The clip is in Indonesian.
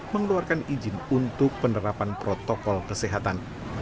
mengeluarkan izin untuk penerapan protokol kesehatan